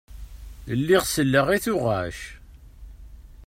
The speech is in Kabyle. Lliɣ selleɣ i tuɣac.